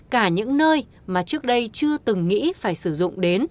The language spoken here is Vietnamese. cả những nơi mà trước đây chưa từng nghĩ phải sử dụng đến